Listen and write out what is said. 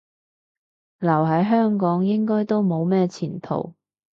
留喺香港應該都冇咩前途